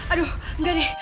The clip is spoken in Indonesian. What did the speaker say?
aduh enggak deh